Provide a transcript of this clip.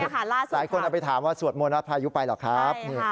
หลายคนเอาไปถามว่าสวดมนต์พายุไปเหรอครับ